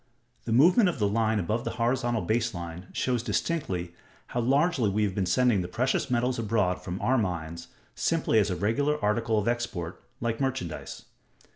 The movement of the line above the horizontal baseline shows distinctly how largely we have been sending the precious metals abroad from our mines, simply as a regular article of export, like merchandise.